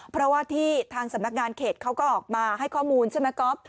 เพราะว่าที่ทางสำนักงานเขตเขาก็ออกมาให้ข้อมูลใช่ไหมก๊อฟ